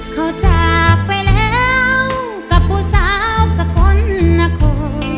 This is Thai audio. เขาจากไปแล้วกับผู้สาวสกลนคร